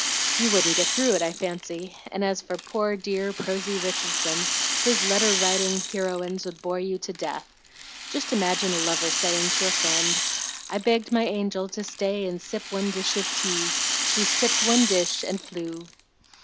You wouldn't get through it, I fancy; and as for poor, dear, prosy Richardson, his letter writing heroines would bore you to death. Just imagine a lover saying to a friend, 'I begged my angel to stay and sip one dish of tea. She sipped one dish and flew.'"